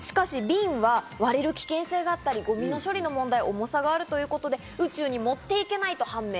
しかし瓶は割れる危険性があったり、ゴミの処理の問題、重さがあるということで宇宙に持って行けないと判明。